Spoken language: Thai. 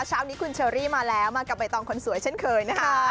เช้านี้คุณเชอรี่มาแล้วมากับใบตองคนสวยเช่นเคยนะคะ